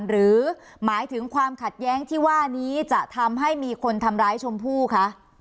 หรือหมายถึงความขัดแย้งที่ว่านี้จะทำให้มีคนทำร้ายชมพู่คะ